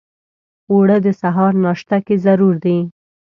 اوړه د سهار ناشته کې ضرور دي